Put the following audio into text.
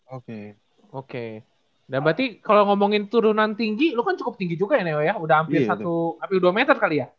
oke oke dan berarti kalau ngomongin turunan tinggi lo kan cukup tinggi juga ya neo ya udah hampir satu dua meter kali ya